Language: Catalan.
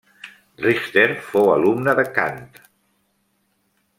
Richter fou alumne de Kant.